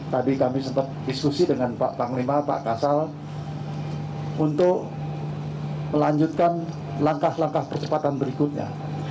tadi kami sempat diskusi dengan pak panglima pak kasal untuk melanjutkan langkah langkah percepatan berikutnya